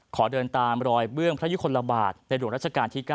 ขอเดินตามรอยเบื้องพระยุคลบาทในหลวงราชการที่๙